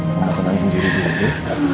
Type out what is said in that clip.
saya akan nangis diri dulu